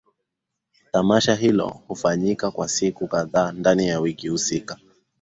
Tamasha Hilo hufanyika kwa siku kadhaa ndani ya wiki husika